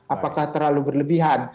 apakah terlalu berlebihan